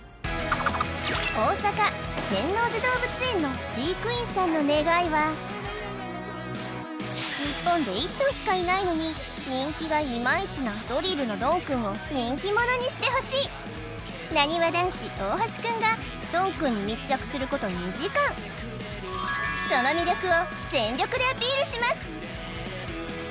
大阪天王寺動物園の飼育員さんの願いは日本で１頭しかいないのに人気がイマイチなドリルのドンくんを人気者にしてほしいなにわ男子大橋くんがドンくんに密着すること２時間その魅力を全力でアピールします